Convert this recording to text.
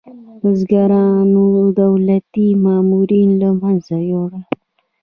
بزګرانو دولتي مامورین له منځه یوړل.